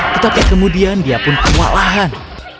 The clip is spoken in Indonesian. tetapi kemudian dia pun kewalahan